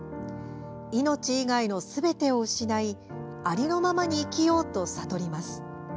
命以外のすべてを失いありのままに生きようと悟ります。